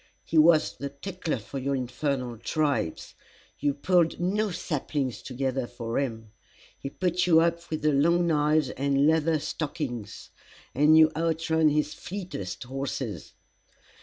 He was the tickler for your infernal tribes! You pulled no saplings together for him. He put you up with 'the long knives and leather stockings,' and you outrun his fleetest horses.